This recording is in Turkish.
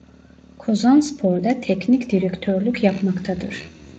Kozanspor'da teknik direktörlük yapmaktadır.